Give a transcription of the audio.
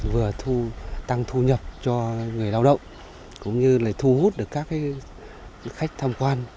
vừa tăng thu nhập cho người lao động cũng như là thu hút được các khách tham quan